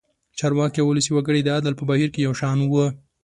چارواکي او ولسي وګړي د عدل په بهیر کې یو شان وو.